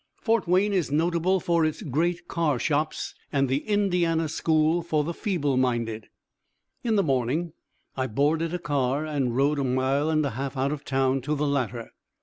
Fort Wayne is notable for its great car shops and the Indiana School for the Feeble Minded. In the morning I boarded a car and rode a mile and a half out of town to the latter.